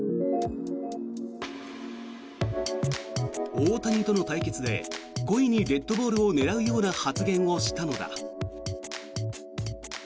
大谷との対決で故意にデッドボールを狙うような発言をしたのだ。